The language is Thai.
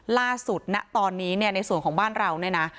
ล่าสุดนะตอนนี้ในส่วนของบ้านเรา